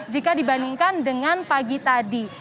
jika dibandingkan dengan pagi tadi